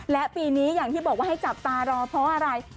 และปีนี้อย่างที่บอกว่าให้จับตารอเพราะอะไร